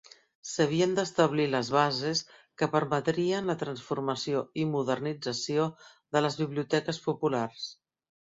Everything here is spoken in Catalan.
S'havien d'establir les bases que permetrien la transformació i modernització de les biblioteques populars.